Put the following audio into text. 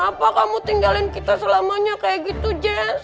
kenapa kamu tinggalin kita selamanya kayak gitu jess